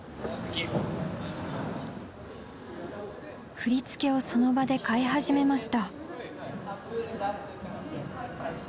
振り付けをその場で変え始めました。